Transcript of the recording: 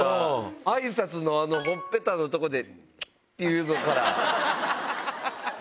あいさつのほっぺたのところで、チュっていうのから。